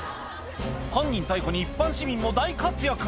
犯人逮捕に一般市民も大活躍